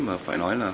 mà phải nói là